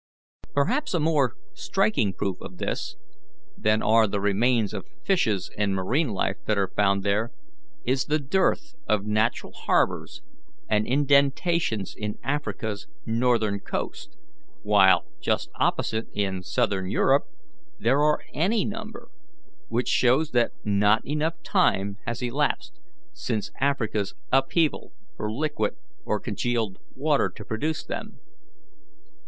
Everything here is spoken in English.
"Perhaps a more striking proof of this than are the remains of fishes and marine life that are found there, is the dearth of natural harbours and indentations in Africa's northern coast, while just opposite, in southern Europe, there are any number; which shows that not enough time has elapsed since Africa's upheaval for liquid or congealed water to produce them.